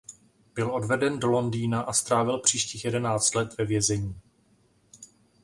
Byl odveden do Londýna a strávil příštích jedenáct let ve vězení.